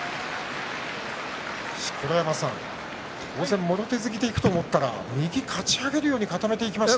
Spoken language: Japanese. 錣山さん、当然もろ手突きでいくと思ったら右、かち上げるように固めていきました。